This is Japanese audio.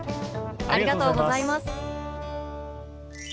ありがとうございます。